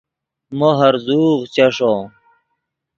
مو ہرزوغ چیݰو